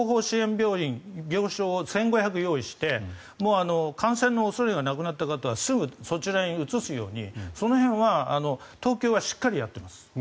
病院病床を１５００用意して感染の恐れがなくなった方はすぐにそちらに移すようにその辺は東京はしっかりやっています。